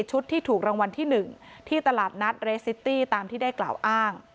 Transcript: ที่ถูกรางวัลที่๑ที่ตลาดนัดเรสซิตี้ตามที่ได้กล่าวอ้าง